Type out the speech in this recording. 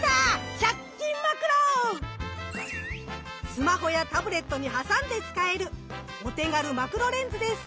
スマホやタブレットに挟んで使えるお手軽マクロレンズです。